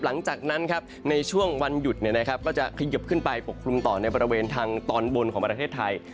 หลังจากนั้นในช่วงวันหยุดก็จะขยิบขึ้นไปปกคลุมต่อในบริเวณทางตอนบนของประเทศไทย